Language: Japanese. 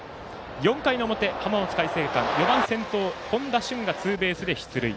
４回の表、浜松開誠館４番先頭の本多駿がツーベースで出塁。